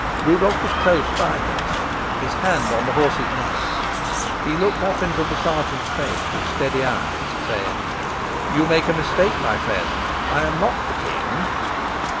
Rudolf was close by him now, his hand on the horse's neck. He looked up into the sergeant's face with steady eyes, saying: "You make a mistake, my friend. I am not the king."